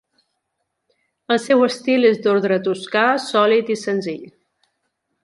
El seu estil és d'ordre toscà, sòlid i senzill.